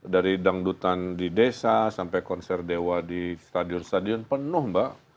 dari dangdutan di desa sampai konser dewa di stadion stadion penuh mbak